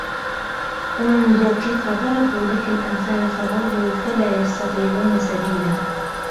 انْظُرْ كَيْفَ ضَرَبُوا لَكَ الْأَمْثَالَ فَضَلُّوا فَلَا يَسْتَطِيعُونَ سَبِيلًا